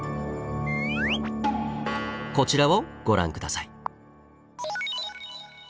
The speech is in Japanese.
こちらをご覧下さい。